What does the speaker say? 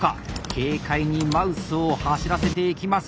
軽快にマウスを走らせていきます。